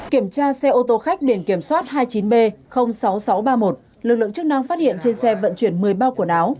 kiểm tra xe ô tô khách biển kiểm soát hai mươi chín b sáu nghìn sáu trăm ba mươi một lực lượng chức năng phát hiện trên xe vận chuyển một mươi bao quần áo